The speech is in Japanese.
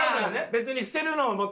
別に捨てるのも。